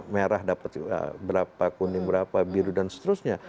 merah dapat berapa kuning berapa biru dan seterusnya